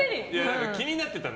気になってたの。